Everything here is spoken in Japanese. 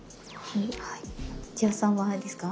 土屋さんはあれですか？